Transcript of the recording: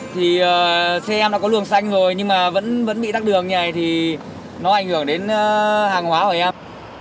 thì xe em đã có luồng xanh rồi nhưng mà vẫn bị tắt đường như này thì nó ảnh hưởng đến hàng hóa của em